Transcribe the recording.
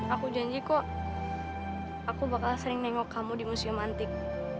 aku janji kok aku bakal sering nengok kamu di museum antik